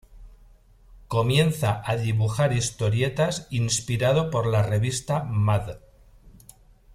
Comienza a dibujar historietas inspirado por la revista Mad.